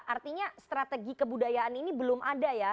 artinya strategi kebudayaan ini belum ada ya